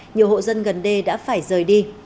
nhiều hộ dân gần đây đã phải rời đi